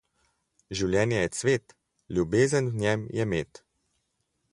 Življenje je cvet, ljubezen v njem je med.